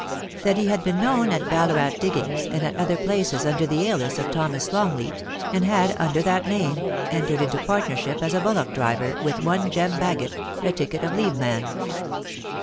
That he had been known at Ballarat Diggings and at other places under the alias of Thomas Longleat, and had, under that name, entered into partnership as a bullock driver with one Jem Bagot, a ticket of leave man.